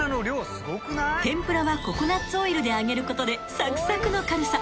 ［天ぷらはココナツオイルで揚げることでさくさくの軽さ］